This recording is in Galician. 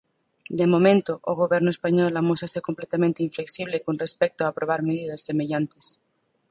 De momento, o Goberno español amósase completamente inflexible con respecto a aprobar medidas semellantes.